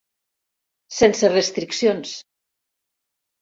Sense restriccions!